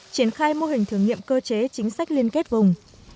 triển khai mô hình thử nghiệm cơ chế chính sách liên kết vùng